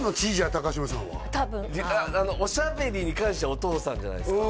高嶋さんは多分おしゃべりに関してはお父さんじゃないですか？